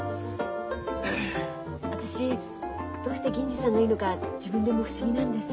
私どうして銀次さんがいいのか自分でも不思議なんです。